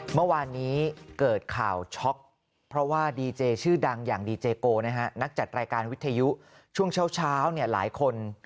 เมื่อวานนี้เกิดข่าวช็อกเพราะว่าดีเจชื่อดังอย่างดีเจโกนะฮะนักจัดรายการวิทยุช่วงเช้าหลายคน